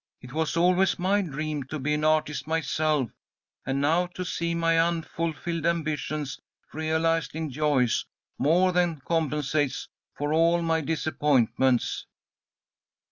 "It was always my dream to be an artist myself, and now to see my unfulfilled ambitions realized in Joyce more than compensates for all my disappointments."